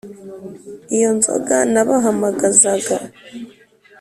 iyo nzoga nabahamagazaga